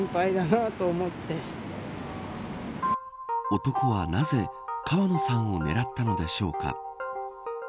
男は、なぜ川野さんを狙ったのでしょうか。